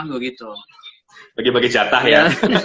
bagi bagi jatah ya